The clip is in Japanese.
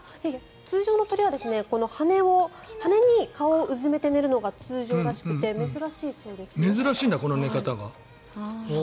通常の鳥は羽に顔をうずめて寝るのが通常らしくて珍しいんだ、この寝方が。